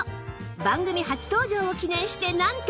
番組初登場を記念してなんと！